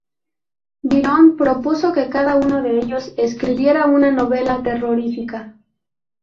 Byron propuso que cada uno de ellos escribiera una novela terrorífica.